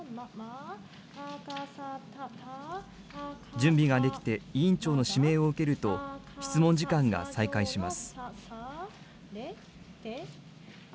準備ができて、委員長の指名を受けると、質問時間が再開します。